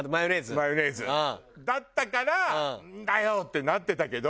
マヨネーズだったからなんだよ！ってなってたけど。